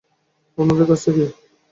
আপনাদের কাজটা কি?